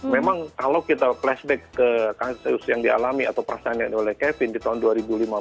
memang kalau kita flashback ke kasus yang dialami atau perasaan yang oleh kevin di tahun dua ribu lima belas